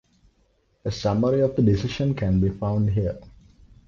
A summary of the decision can be found here.